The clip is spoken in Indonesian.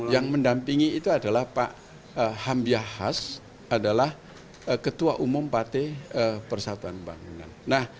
yang mendampingi itu adalah pak hambiahas adalah ketua umum partai persatuan pembangunan